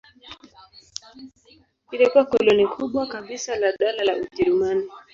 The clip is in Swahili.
Ilikuwa koloni kubwa kabisa la Dola la Ujerumani.